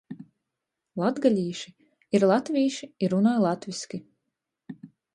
Latgalīši ir latvīši i runoj latvyski.